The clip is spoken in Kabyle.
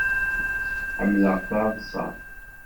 Ḥemmleɣ taḍṣa.